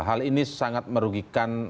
hal ini sangat merugikan